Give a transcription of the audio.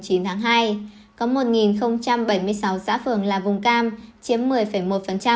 đến nay cả nước có hai trăm bốn mươi bốn xã phường thuộc vùng đỏ chiếm ba ba